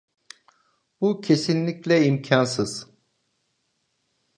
Bu kesinlikle imkansız.